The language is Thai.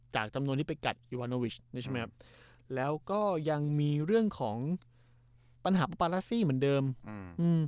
จากจำนวนที่ไปกัดนี่ใช่ไหมครับแล้วก็ยังมีเรื่องของปัญหาประปาลัสซี่เหมือนเดิมอืม